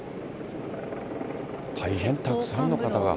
大変たくさんの方が。